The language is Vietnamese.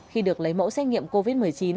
khi được lấy mẫu xét nghiệm covid một mươi chín